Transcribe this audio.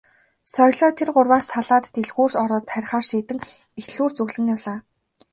Соёлоо тэр гурваас салаад дэлгүүр ороод харихаар шийдэн их дэлгүүр зүглэн явлаа.